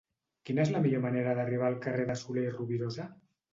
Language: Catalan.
Quina és la millor manera d'arribar al carrer de Soler i Rovirosa?